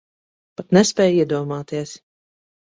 Pat nespēj iedomāties.